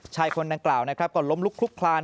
ชายคนดังกล่าวก็ล้มลุกคลุกคลาน